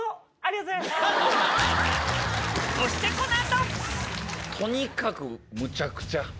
そしてこのあと、とにかくむちゃくちゃ。